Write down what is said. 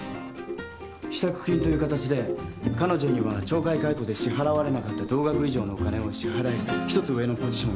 支度金という形で彼女には懲戒解雇で支払われなかった同額以上のお金を支払い一つ上のポジションを用意する。